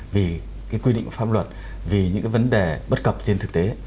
vì quy định pháp luật vì những vấn đề bất cập trên thực tế